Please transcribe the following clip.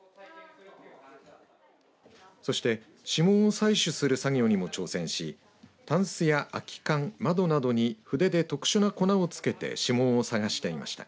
そして、指紋を採取する作業にも挑戦しタンスや空き缶窓などに筆で特殊な粉をつけて指紋を探していました。